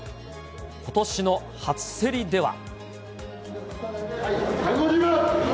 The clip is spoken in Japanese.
ことしの初競りでは。